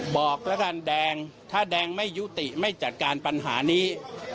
บอกแล้วกันแดงถ้าแดงไม่ยุติไม่จัดการปัญหานี้